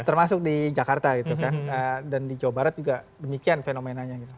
termasuk di jakarta gitu kan dan di jawa barat juga demikian fenomenanya gitu